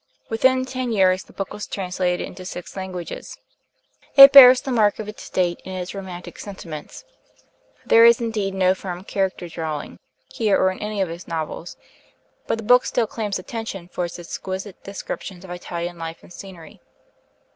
Within ten years the book was translated into six languages. It bears the mark of its date in its romantic sentiments. There is indeed no firm character drawing, here or in any of his novels; but the book still claims attention for its exquisite descriptions of Italian life and scenery.